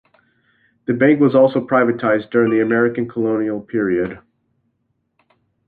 The bank was also privatized during the American colonial period.